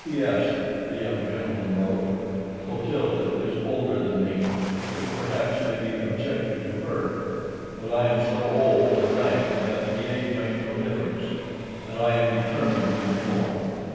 "P.S.," the young gentleman wrote: "Clotilda is OLDER THAN ME, which perhaps may be objected to her: but I am so OLD A RAIK that the age makes no difference, and I am DETERMINED to reform.